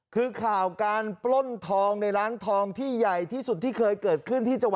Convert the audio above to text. คือข่าวการปล้นทองในร้านทองที่ใหญ่ที่สุดที่เคยเกิดขึ้นที่จังหวัด